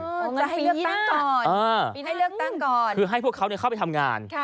ผมจะให้เลือกตั้งก่อนให้เลือกตั้งก่อนคือให้พวกเขาเข้าไปทำงาน